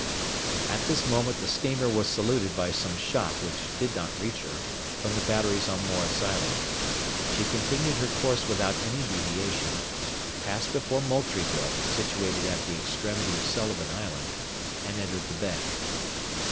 At this moment the steamer was saluted by some shot which did not reach her, from the batteries on Morris Island. She continued her course without any deviation, passed before Moultrieville, situated at the extremity of Sullivan Island, and entered the bay.